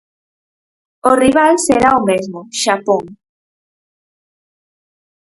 O rival será o mesmo, Xapón.